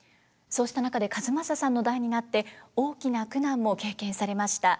そうした中で千雅さんの代になって大きな苦難も経験されました。